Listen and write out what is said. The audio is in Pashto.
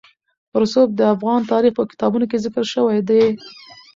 رسوب د افغان تاریخ په کتابونو کې ذکر شوی دي.